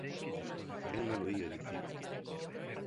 Quen nolo ía dicir!